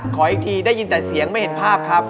ขออีกทีได้ยินแต่เสียงไม่เห็นภาพครับ